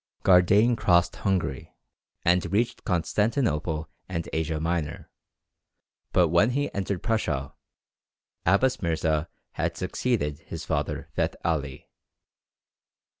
Gardane crossed Hungary, and reached Constantinople and Asia Minor; but when he entered Persia, Abbas Mirza had succeeded his father Feth Ali.